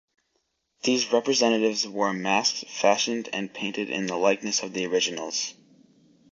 These representatives wore masks fashioned and painted in the likeness of the originals.